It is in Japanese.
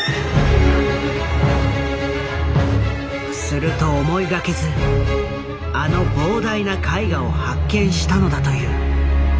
すると思いがけずあの膨大な絵画を発見したのだという。